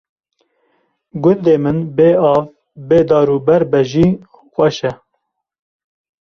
gundê min bê av, bê dar û ber be jî xweş e